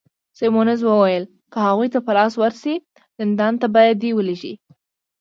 سیمونز وویل: که هغوی ته په لاس ورشې، زندان ته به دي ولیږي.